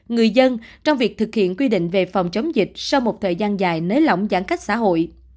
người dân trong việc thực hiện quy định về phòng chống dịch sau một thời gian dài nới lỏng giãn cách xã hội